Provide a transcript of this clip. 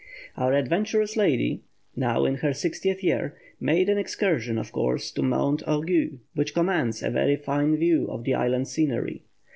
Our adventurous lady now in her sixtieth year made an excursion, of course, to Mont Orgueil, which commands a very fine view of the island scenery.